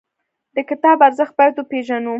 د کتاب ارزښت باید وپېژنو.